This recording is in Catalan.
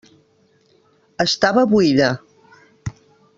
Estava buida.